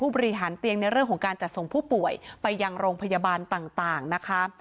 บริหารเตียงในเรื่องของการจัดส่งผู้ป่วยไปยังโรงพยาบาลต่างนะคะ